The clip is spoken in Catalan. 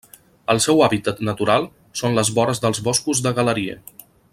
El seu hàbitat natural són les vores dels boscos de galeria.